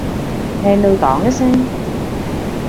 靚到丼一聲